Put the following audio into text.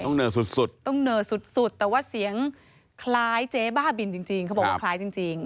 ต้องเนอสุดแต่ว่าเสียงคล้ายเจ๊บ้าบินจริงเค้าบอกว่าคล้ายจริง